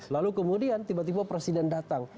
lalu kemudian tiba tiba presiden datang